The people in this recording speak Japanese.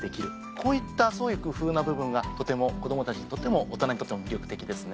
こういった創意工夫な部分がとても子供たちにとっても大人にとっても魅力的ですね。